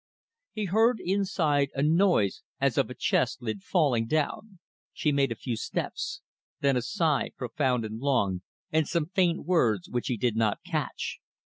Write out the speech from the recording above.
He heard inside a noise as of a chest lid falling down. She made a few steps. Then a sigh, profound and long, and some faint words which he did not catch.